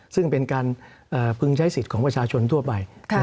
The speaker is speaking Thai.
ซึ่งเป็นการพึงใช้สิทธิ์ของประชาชนทั่วไป